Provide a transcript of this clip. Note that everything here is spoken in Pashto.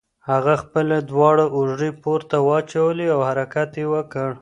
هغه خپلې دواړه اوږې پورته واچولې او حرکت یې وکړ.